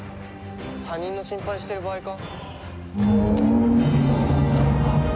他人の心配してる場合か？